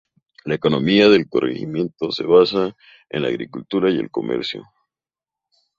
La economía del corregimiento se basa, en la agricultura y el comercio.